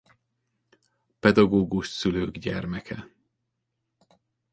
Pedagógus szülők gyermeke.